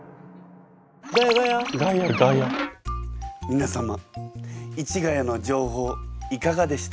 皆様市ヶ谷の情報いかがでしたでしょうか？